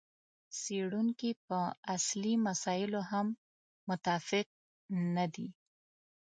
څېړونکي په اصلي مسایلو هم متفق نه دي.